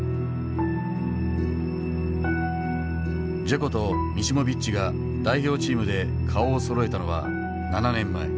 ジェコとミシモビッチが代表チームで顔をそろえたのは７年前。